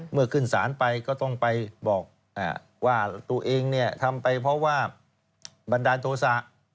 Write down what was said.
ขึ้นศาลไปก็ต้องไปบอกว่าตัวเองทำไปเพราะว่าบันดาลโทษะ